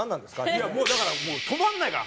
いやもうだから止まんないから。